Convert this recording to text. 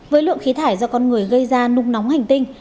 với lượng khí thải do con người gây ra nung nóng hành tinh